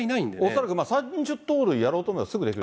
恐らく、３０盗塁やろうと思ったら、すぐできる。